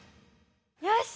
よし！